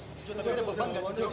jangan lupa untuk berlangganan